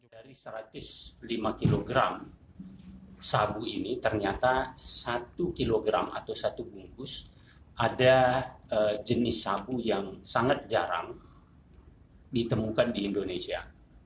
dari satu ratus lima kg sabu ini ternyata satu kilogram atau satu bungkus ada jenis sabu yang sangat jarang ditemukan di indonesia